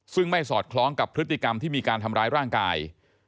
ซึ่งไม่สอดคล้องกับพฤติกรรมที่มีการทำร้ายร่างกาย